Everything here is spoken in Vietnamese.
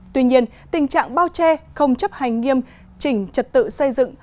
tuy nhiên tình trạng bao che không chấp hành nghiêm chỉnh trật tự xây dựng